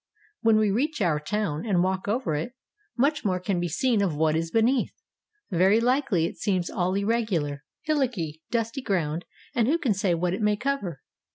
When we reach our town and walk over it, much more can be seen of what is beneath. Very likely it seems all irregular, hillocky, dusty ground, and who can say what it may cover?